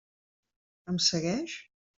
Em segueix?